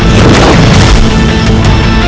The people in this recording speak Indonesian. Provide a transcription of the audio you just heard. malah awan cekai